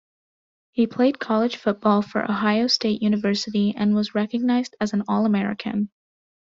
He played college football for Ohio State University and was recognized as an All-American.